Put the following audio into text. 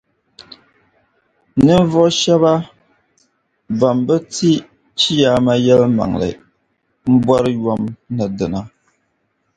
Ninvuɣu shεba ban bi ti li Chiyaama yεlimaŋli m-bɔri yom ni dina.